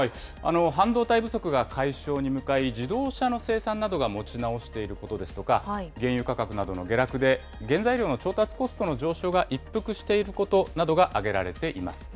半導体不足が解消に向かい、自動車の生産などが持ち直していることですとか、原油価格などの下落で、原材料の調達コストの上昇が一服していることなどが挙げられています。